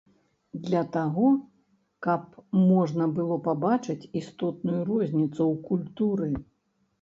Для таго, каб можна было пабачыць істотную розніцу ў культуры.